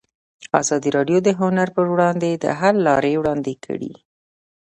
ازادي راډیو د هنر پر وړاندې د حل لارې وړاندې کړي.